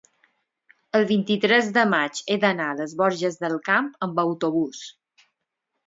el vint-i-tres de maig he d'anar a les Borges del Camp amb autobús.